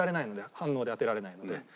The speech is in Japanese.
反応で当てられないので。